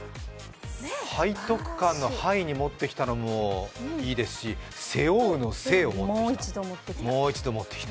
背徳感の「背」に持ってきたのもいいですし、背負うの「背」をもう一度持ってきた。